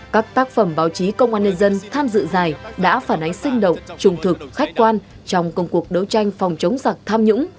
các tác phẩm báo chí công an nhân dân tham dự giải đã phản ánh sinh động trùng thực khách quan trong công cuộc đấu tranh phòng chống sạc tham nhũng